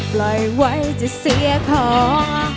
ปล่อยไว้จะเสียของ